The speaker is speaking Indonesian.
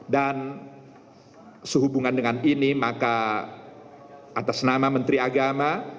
sehubungan dengan ini maka atas nama menteri agama